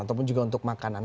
ataupun juga untuk makanan